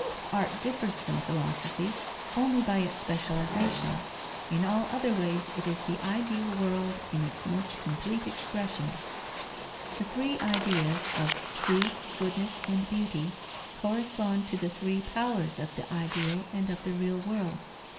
Art differs from philosophy only by its specialization: in all other ways it is the ideal world in its most complete expression. The three Ideas of Truth, Goodness, and Beauty correspond to the three powers of the ideal and of the real world.